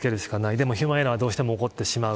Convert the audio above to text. でも、ヒューマンエラーはどうしても起こってしまう。